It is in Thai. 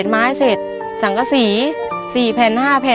เมื่อ